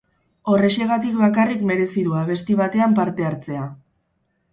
Horrexegatik bakarrik merezi du abesti batean parte hartzea.